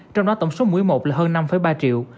trong đó tổng số mũi một là hơn năm ba triệu